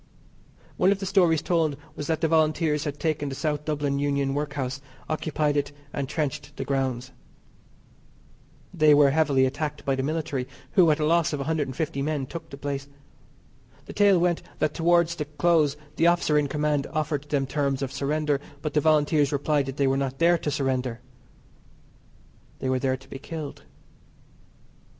One of the stories told was that the Volunteers had taken the South Dublin Union Workhouse, occupied it, and trenched the grounds. They were heavily attacked by the military, who, at a loss of 150 men, took the place. The tale went that towards the close the officer in command offered them terms of surrender, but the Volunteers replied that they were not there to surrender. They were there to be killed.